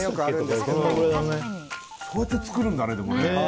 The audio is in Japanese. こうやって作るんだね。